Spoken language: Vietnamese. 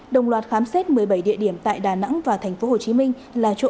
đồng loạt khám xét một mươi bảy địa điểm tại đà nẵng và tp hcm là chỗ